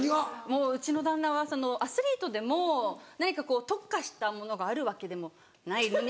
もううちの旦那はアスリートでも何かこう特化したものがあるわけでもないのに。